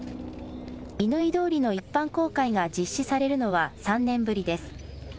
乾通りの一般公開が実施されるのは３年ぶりです。